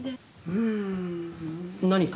うーん。何か？